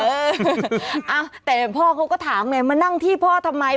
เออแต่พ่อเขาก็ถามไงมานั่งที่พ่อทำไม